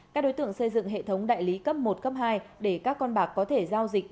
các đối tượng xây dựng hệ thống đại lý cấp một cấp hai để các con bạc có thể giao dịch